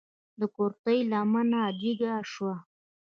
د کورتۍ لمنه جګه شوه.